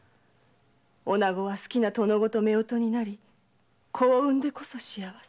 女子は好きな殿方と夫婦になり子を産んでこそ幸せ。